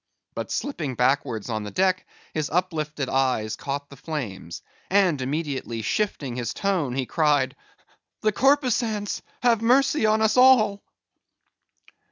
—but slipping backward on the deck, his uplifted eyes caught the flames; and immediately shifting his tone he cried—"The corpusants have mercy on us all!"